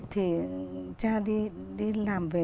thì cha đi làm về